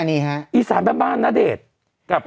อีสานแบบบ้านณเดชกลับ